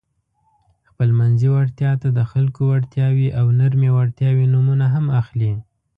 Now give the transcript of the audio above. خپلمنځي وړتیا ته د خلکو وړتیاوې او نرمې وړتیاوې نومونه هم اخلي.